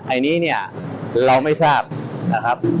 อันนี้เนี่ยเราไม่ทราบนะครับ